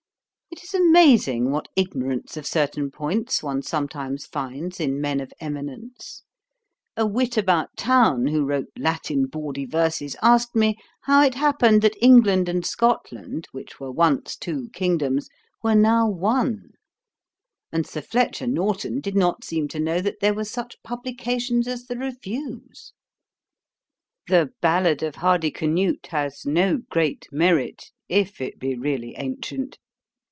'It is amazing what ignorance of certain points one sometimes finds in men of eminence. A wit about town, who wrote Latin bawdy verses, asked me, how it happened that England and Scotland, which were once two kingdoms, were now one: and Sir Fletcher Norton did not seem to know that there were such publications as the Reviews.' 'The ballad of Hardyknute has no great merit, if it be really ancient.